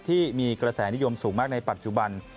ที่มีกระแสนิยมสูงมากในปัจจุบัน